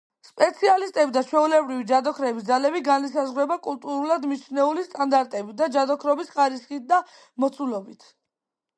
სპეციალისტების და ჩვეულებრივი ჯადოქრების ძალები განისაზღვრება კულტურულად მიჩნეული სტანდარტებით და ჯადოქრობის ხარისხით და მოცულობით.